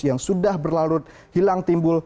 yang sudah berlarut hilang timbul